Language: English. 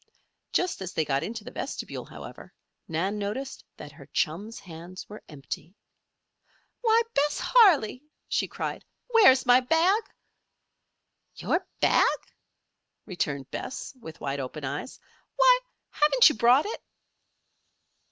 Just as they got into the vestibule, however, Nan noticed that her chum's hands were empty. "Why, Bess Harley!" she cried. "Where's my bag?" "Your bag?" returned Bess, with wide open eyes. "Why! haven't you brought it?"